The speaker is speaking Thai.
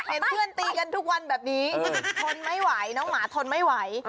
เห็นเพื่อนตีกันทุกวันแบบนี้ทนไม่ไหวน้องหมาทนไม่ไหว